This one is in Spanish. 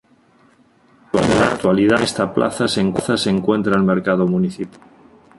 En la actualidad en esta plaza se encuentra el mercado municipal.